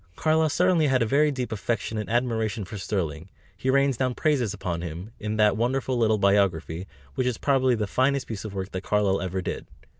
Carlyle certainly had a very deep affection and admiration for Sterling; he rains down praises upon him, in that wonderful little biography, which is probably the finest piece of work that Carlyle ever did.